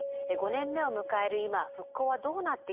５年目を迎える今復興はどうなっているのか。